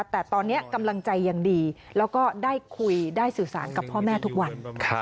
แต่ตอนนี้กำลังใจยังดีแล้วก็ได้คุยได้สื่อสารกับพ่อแม่ทุกวัน